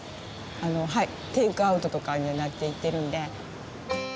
テイクアウトとかになっていってるんで。